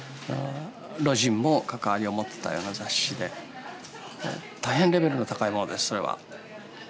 魯迅も関わりを持ってたような雑誌で大変レベルの高いものですそれは。